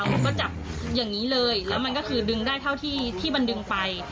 เขาก็จับอย่างนี้เลยแล้วมันก็คือดึงได้เท่าที่ที่มันดึงไป